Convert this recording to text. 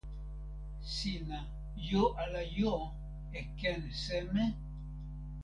sina jo ala jo e ken seme?